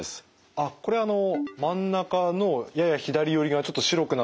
あっこれはあの真ん中のやや左寄りがちょっと白くなってる。